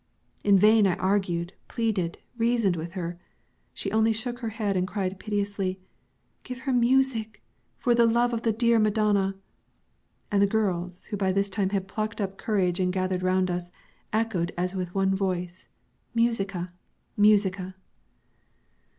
In vain I argued, pleaded, reasoned with her. She only shook her head and cried piteously, "Give her music, for the love of the dear Madonna!" And the girls, who by this time had plucked up courage and gathered round us, echoed as with one voice, "Musica! Musica!"